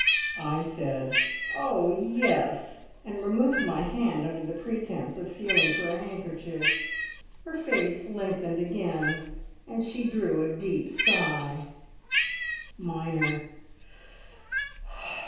I said, "Oh! yes," and removed my hand under pretence of feeling for a handkerchief. Her face lengthened again, and she drew a deep sigh. (Minor.)